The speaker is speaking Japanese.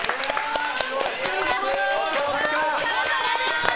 お疲れさまです！